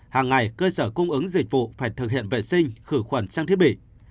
hàng ngày cơ sở cung ứng dịch vụ phải thực hiện vệ sinh khử khuẩn sang thiết bị